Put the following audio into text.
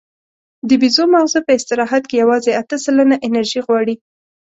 د بیزو ماغزه په استراحت کې یواځې اته سلنه انرژي غواړي.